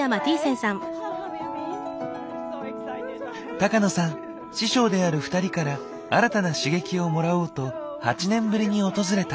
高野さん師匠である２人から新たな刺激をもらおうと８年ぶりに訪れた。